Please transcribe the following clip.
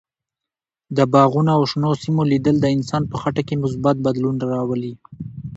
د باغونو او شنو سیمو لیدل د انسان په خټه کې مثبت بدلون راولي.